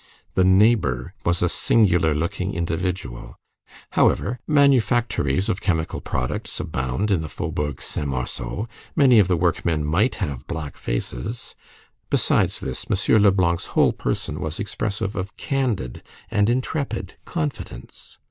The neighbor was a singular looking individual. However, manufactories of chemical products abound in the Faubourg Saint Marceau. Many of the workmen might have black faces. Besides this, M. Leblanc's whole person was expressive of candid and intrepid confidence.